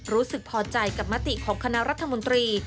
รู้สึกพอใจกับมติของคณะรัฐมนตรี